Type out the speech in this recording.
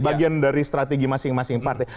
bagian dari strategi masing masing partai